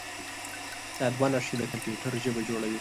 دا دوه نښې د کمپیوټر ژبه جوړوي.